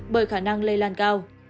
bởi khả năng lây lan cao